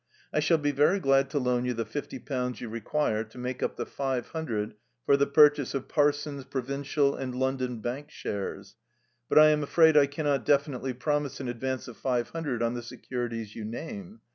"I shall be very glad to loan you the fifty pounds you require to make up the five hundred for the purchase of Parson's Provincial and London Bank Shares. But I am afraid I cannot definitely promise an advance of five hundred on the securities you name.